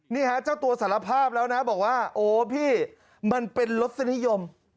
นี่ฮะเจ้าตัวสารภาพแล้วนะบอกว่าโอ้พี่มันเป็นรสนิยม